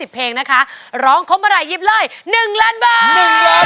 เพลงนะคะเขาร้องคนเบื่อร่อยจิบเลย๑ล้านบาท